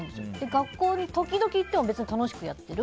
学校に時々行っても楽しくやってる。